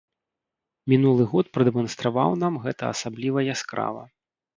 Мінулы год прадэманстраваў нам гэта асабліва яскрава.